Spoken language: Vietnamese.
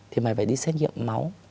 thì mày phải đi xét nghiệm máu